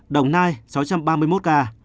đồng nai sáu trăm ba mươi một ca